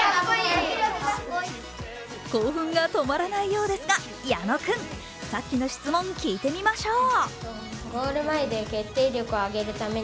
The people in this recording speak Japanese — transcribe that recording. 興奮が止まらないようですが矢野君さっきの質問聞いてみましょう。